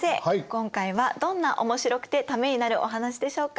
今回はどんなおもしろくてためになるお話でしょうか？